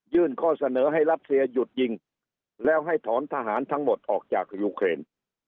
ข้อเสนอให้รัสเซียหยุดยิงแล้วให้ถอนทหารทั้งหมดออกจากยูเครน